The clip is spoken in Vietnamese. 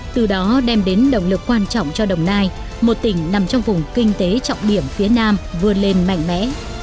từ đó đem đến động lực quan trọng cho đồng nai một tỉnh nằm trong vùng kinh tế trọng điểm phía nam vươn lên mạnh mẽ